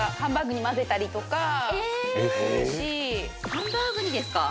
ハンバーグにですか？